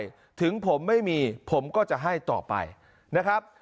ถึงผมไม่มีผมก็จะให้ต่อไปนะครับ